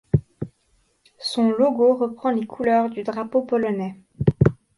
Son logo reprend les couleurs du drapeau polonais.